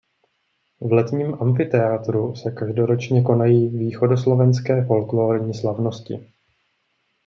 V letním amfiteátru se každoročně konají Východoslovenské folklórní slavnosti.